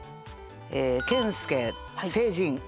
健介「成人」。